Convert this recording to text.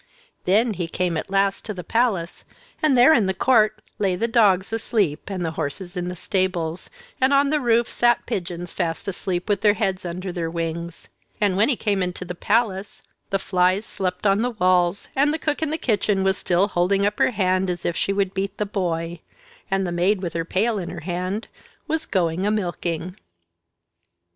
Then he came at last to the palace, and there in the court lay the dogs asleep, and the horses in the stables, and on the roof sat the pigeons fast asleep with their heads under their wings; and when he came into the palace, the flies slept on the walls, and the cook in the kitchen was still holding up her hand as if she would beat the boy, and the maid with her pail in her hand was going a milking.